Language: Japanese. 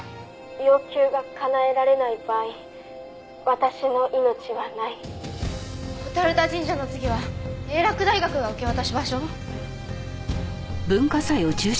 「要求がかなえられない場合私の命はない」蛍田神社の次は英洛大学が受け渡し場所？